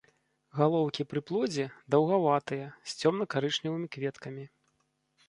Галоўкі пры плодзе даўгаватыя, з цёмна-карычневымі кветкамі.